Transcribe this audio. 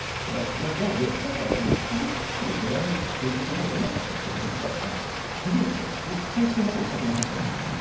なので、今回出撃基地をベラルーシが提供せざるを得なかったこと自体が以前だったら絶対にそんなことしたくなかったんです。